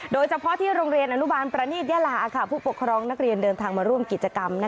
โดยเฉพาะที่โรงเรียนอนุบาลประนีตยาลาผู้ปกครองนักเรียนเดินทางมาร่วมกิจกรรม